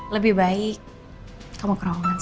lebih baik kamu kerongan saya sekarang ya